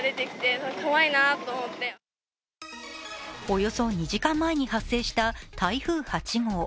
およそ２時間前に発生した台風８号。